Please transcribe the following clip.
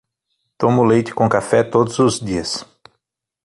Tomo leite com café todos os dias